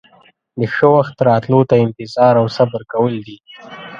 د ښه وخت راتلو ته انتظار او صبر کول دي.